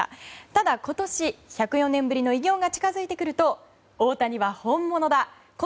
ただ、今年１０４年ぶりの偉業が近づいてくると大谷は本物だ！